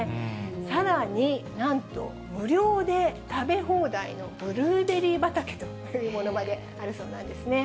さらに、なんと無料で食べ放題のブルーベリー畑というものまであるそうなんですね。